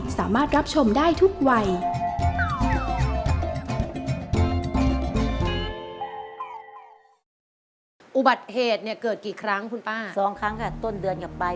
สามารถรับชมได้ทุกวัย